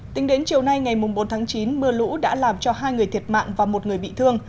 tính đến chiều nay ngày bốn tháng chín mưa lũ đã làm cho hai người thiệt mạng và một người bị thương